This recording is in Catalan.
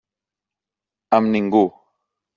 Amb ningú.